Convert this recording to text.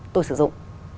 tôi sử dụng